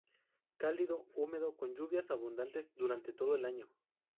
Cálido húmedo con lluvias abundantes durante todo el año.